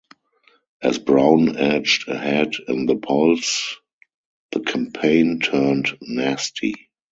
As Brown edged ahead in the polls, the campaign turned nasty.